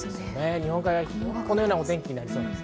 日本海側はこのようなお天気になりそうです。